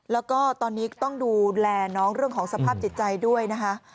แล้วก็ตอนนี้ต้องดูแลน้องเรื่องของสภาพจิตใจด้วยนะคะ